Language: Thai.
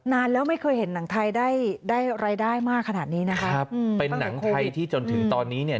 นานแล้วไม่เคยเห็นหนังไทยได้ได้รายได้มากขนาดนี้นะคะครับเป็นหนังไทยที่จนถึงตอนนี้เนี่ย